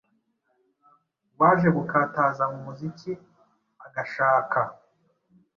waje gukataza mu muziki agashaka